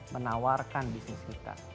menawarkan bisnis kita